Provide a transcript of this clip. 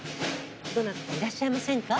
どなたかいらっしゃいませんか？